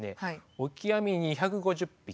オキアミ２５０匹